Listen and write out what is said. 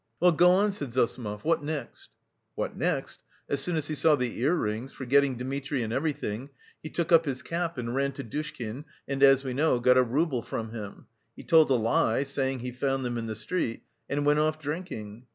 "Well, go on," said Zossimov. "What next?" "What next? As soon as he saw the ear rings, forgetting Dmitri and everything, he took up his cap and ran to Dushkin and, as we know, got a rouble from him. He told a lie saying he found them in the street, and went off drinking.